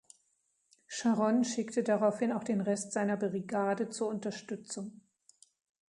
Scharon schickte daraufhin auch den Rest seiner Brigade zur Unterstützung.